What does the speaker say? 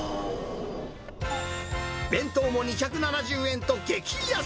弁当も２７０円と激安。